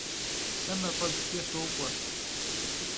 Se maf'eguç'e sok'ue.